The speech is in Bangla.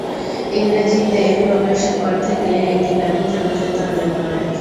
ইংরেজিতে প্রকাশের পর থেকে এটি ব্যাপক জনপ্রিয়তা অর্জন করে।